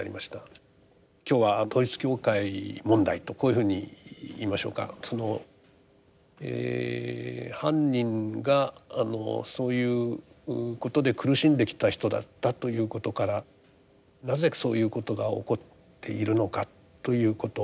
今日は統一教会問題とこういうふうにいいましょうかその犯人があのそういうことで苦しんできた人だったということからなぜそういうことが起こっているのかということ。